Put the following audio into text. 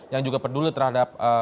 yang juga peduli terhadap